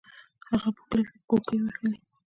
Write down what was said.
هغه په کلي کې کوکې وهلې.